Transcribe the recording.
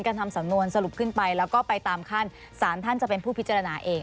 ทำสำนวนสรุปขึ้นไปแล้วก็ไปตามขั้นสารท่านจะเป็นผู้พิจารณาเอง